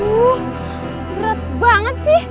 aduh berat banget sih